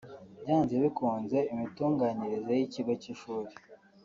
Byanze bikunze imitunganyirize y’ikigo cy’ishuri